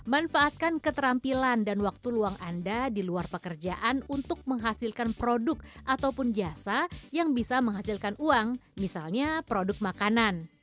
manfaatkan keterampilan dan waktu luang anda di luar pekerjaan untuk menghasilkan produk ataupun jasa yang bisa menghasilkan uang misalnya produk makanan